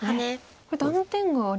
これ断点がありますよね。